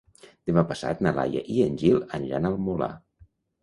Demà passat na Laia i en Gil aniran al Molar.